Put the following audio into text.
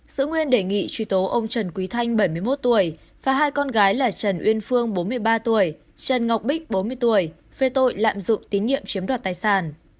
giữ nguyên đề nghị truy tố ông trần quý thanh bảy mươi một tuổi và hai con gái là trần uyên phương bốn mươi ba tuổi trần ngọc bích bốn mươi tuổi về tội lạm dụng tín nhiệm chiếm đoạt tài sản